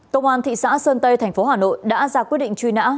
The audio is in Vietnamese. công an thị xã sơn tây thành phố hà nội đã ra quyết định truy nã